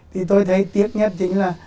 thì tôi thấy tiếc nhất chính là